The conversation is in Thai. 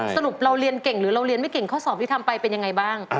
สรุปเราเรียนเก่งหรือเราเรียนไม่เก่งข้อสอบที่ทำไปเป็นยังไงบ้าง